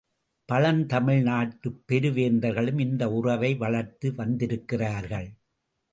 பழந்தமிழ் நாட்டுப் பெருவேந்தர்களும் இந்த உறவை வளர்த்து வந்திருக்கிறார்கள்.